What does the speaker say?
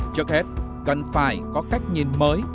trước hết cần phải có cách nhìn mới